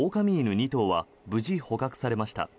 ２頭は無事捕獲されました。